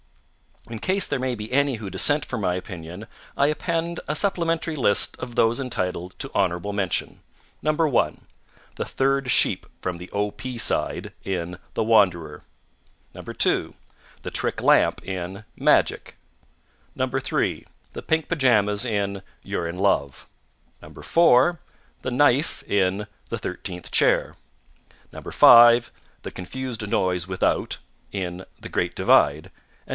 In case there may be any who dissent from my opinion, I append a supplementary list of those entitled to honorable mention: 1. The third sheep from the O. P. side in The Wanderer. 2. The trick lamp in Magic. 3. The pink pajamas in You're in Love. 4. The knife in The Thirteenth Chair. 5. The Confused Noise Without in The Great Divide. 6.